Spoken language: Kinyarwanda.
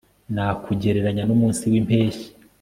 nakugereranya n'umunsi w'impeshyi